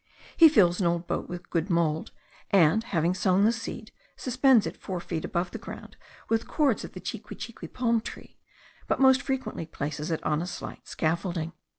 He fills an old boat with good mould, and, having sown the seed, suspends it four feet above the ground with cords of the chiquichiqui palm tree; but most frequently places it on a slight scaffolding.